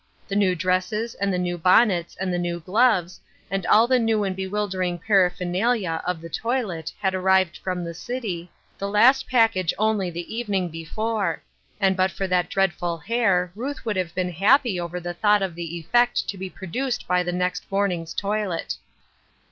The new dresse? and the new bonnets and the new gloves, and all the new and bewildering paraphernalia oi the toilet had arrived from the city, the last Wherefore f 853 package only the evening before, and but for that dreadful hair Ruth would have been happy over the thought of the effect to be produced by the next morning's toilet.